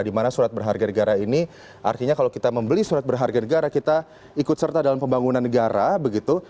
dimana surat berharga negara ini artinya kalau kita membeli surat berharga negara kita ikut serta dalam pembangunan negara begitu